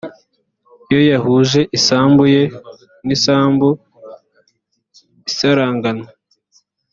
iyo yahuje isambu ye n isambu isaranganywa